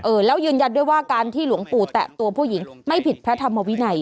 แล้วยืนยันด้วยว่าการที่หลวงปู่แตะตัวผู้หญิงไม่ผิดพระธรรมวินัย